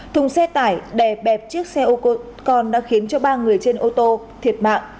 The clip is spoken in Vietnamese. thùng xe tải đè bẹp chiếc xe ô tô con đã khiến ba người trên ô tô thiệt mạng